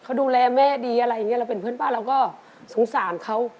เขาดูแลแม่ดีอะไรอย่างนี้เราเป็นเพื่อนบ้านเราก็สงสารเขา